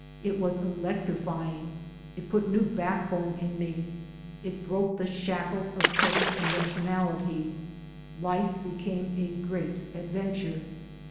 It was electrifying; it put new backbone in me; it broke the shackles of petty conventionality; life became a great adventure.